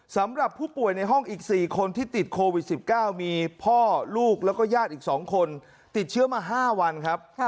สำหรับผู้ป่วยในห้องอีก๔คนที่ติดโควิด๑๙มีพ่อลูกแล้วก็ญาติอีก๒คนติดเชื้อมา๕วันครับ